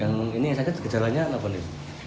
yang ini sakit gejalanya apa nih